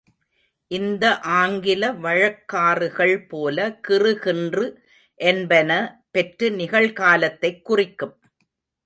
இந்த ஆங்கில வழக்காறுகள் போல, கிறு கின்று என்பன பெற்று நிகழ்காலத்தைக் குறிக்கும்.